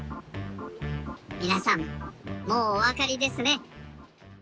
みなさんもうおわかりですね。